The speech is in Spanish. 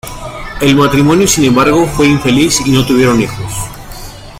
El matrimonio, sin embargo, fue infeliz y no tuvieron hijos.